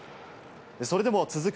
それでも続く